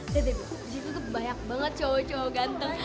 di situ tuh banyak banget cowok cowok ganteng